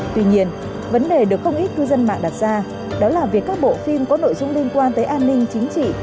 tuy nhiên vấn đề được không ít cư dân mạng đặt ra đó là việc các bộ phim có nội dung liên quan tới an ninh chính trị